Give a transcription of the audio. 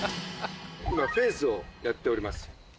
今フェンスをやっております。